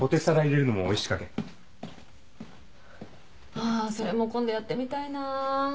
あそれも今度やってみたいな。